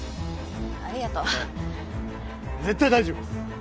ありがとう。絶対大丈夫！